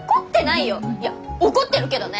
いや怒ってるけどね！